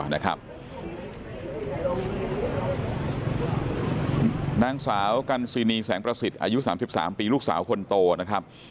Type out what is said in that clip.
นางสาวกันซีนีแสงประสิทธิ์อายุ๓๓ปีลูกสาวคนโตนะครับ